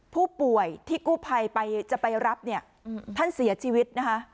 ผู้ป่วยที่กู้ภัยไปจะไปรับเนี่ยท่านเสียชีวิตนะคะ